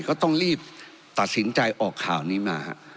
ก็ต้องรีบตัดสินใจออกข่าวนี้มา